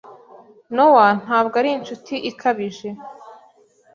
Nowa ntabwo ari inshuti ikabije.